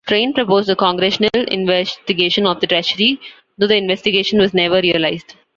Train proposed a Congressional investigation of the Treasury-though the investigation was never realized.